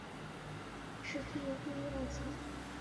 湿地勿忘草是紫草科勿忘草属的植物。